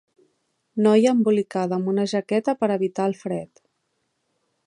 Noia embolicada amb una jaqueta per evitar el fred.